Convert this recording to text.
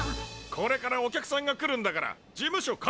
これからお客さんが来るんだから事務所片づけろ！